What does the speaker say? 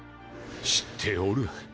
知っておる。